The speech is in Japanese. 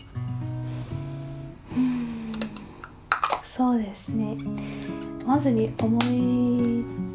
そうですね